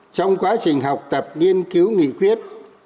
trình học tập nghiên cứu nghị quyết